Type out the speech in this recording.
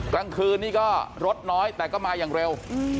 กลางคืนนี่ก็รถน้อยแต่ก็มาอย่างเร็ว